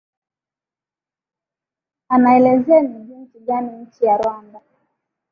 anaelezea ni jinsi gani nchi ya rwanda